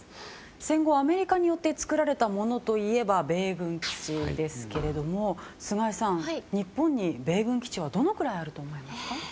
戦後、アメリカによって作られたものといえば米軍基地ですけれども菅井さん、日本に米軍基地はどのぐらいあると思いますか？